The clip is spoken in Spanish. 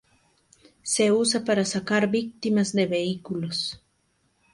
Se usa para sacar víctimas de vehículos.